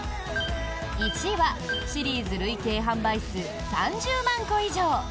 １位は、シリーズ累計販売数３０万個以上！